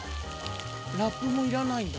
ラップもいらないんだ